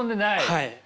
はい。